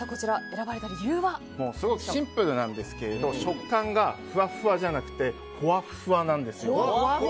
すごくシンプルなんですけども食感がふわふわじゃなくてほわほわなんですよ。